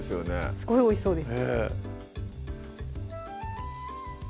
すごいおいしそうです